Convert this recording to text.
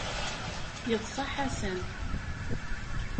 Yeḍsa Ḥasan.